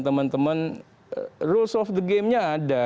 teman teman rules of the game nya ada